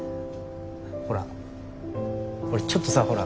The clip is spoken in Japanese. ほら俺ちょっとさほら